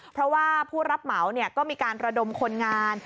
เพราะว่าผู้รับเหมาก็มีการระดมคนงาน